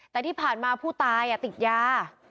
แต่ที่ผ่านมาผู้ตายติดยา